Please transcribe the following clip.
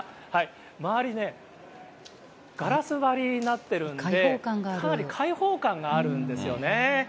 周りね、ガラス張りになってるんで、かなり開放感があるんですよね。